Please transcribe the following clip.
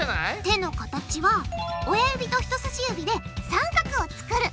手の形は親指と人さし指で三角を作る！